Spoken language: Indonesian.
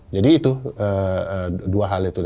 jadi itu dua hal itu